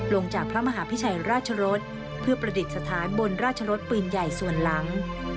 ลงจากพระมหาพิชัยราชรสเพื่อประดิษฐานบนราชรสปืนใหญ่ส่วนหลัง